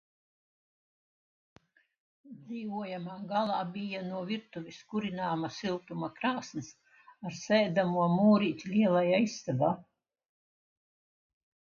Dzīvojamā galā bija no virtuves kurināma siltuma krāsns ar sēdamo mūrīti lielajā istabā.